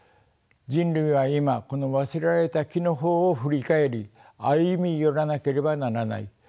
人類は今この忘れられた樹の方を振り返り歩み寄らなければならない。